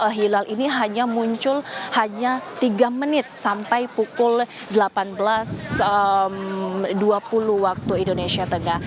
karena hilal ini hanya muncul hanya tiga menit sampai pukul delapan belas dua puluh waktu indonesia tengah